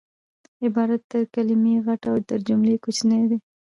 عبارت تر کلیمې غټ او تر جملې کوچنی دئ